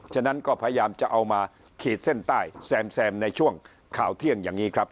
ฉะนั้นก็พยายามจะเอามาขีดเส้นใต้แซมในช่วงข่าวเที่ยงอย่างนี้ครับ